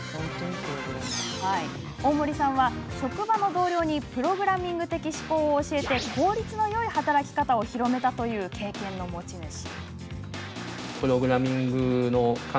大森さんは、職場の同僚にプログラミング的思考を教えて効率のよい働き方を広めたという経験の持ち主。